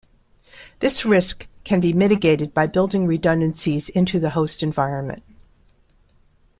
This risk can be mitigated by building redundancies into the host environment.